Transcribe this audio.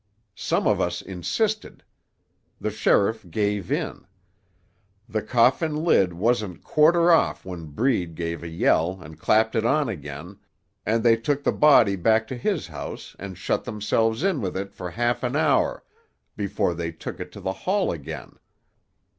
Some of us insisted. The sheriff gave in. The coffin lid wasn't quarter off when Breed gave a yell and clapped it on again, and they took the body back to his house and shut themselves in with it for half an hour before they took it to the hall again.